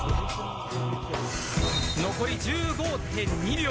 残り１５．２秒。